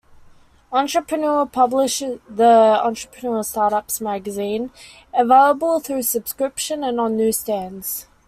"Entrepreneur" publishes the "Entrepreneur StartUps" magazine, available through subscription and on newsstands.